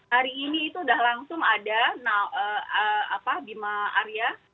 hari ini itu sudah langsung ada bima arya